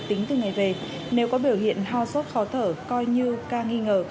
tính từ ngày về nếu có biểu hiện ho sốt khó thở coi như ca nghi ngờ